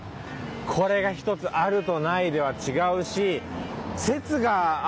これが一つあるとないでは違うし説があるんですね。